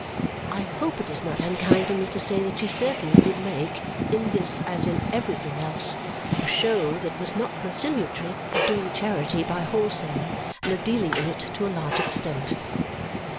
I hope it is not unkind in me to say that she certainly did make, in this as in everything else, a show that was not conciliatory of doing charity by wholesale and of dealing in it to a large extent.